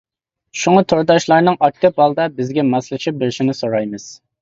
شۇڭا تورداشلارنىڭ ئاكتىپ ھالدا بىزگە ماسلىشىپ بېرىشنى سورايمىز.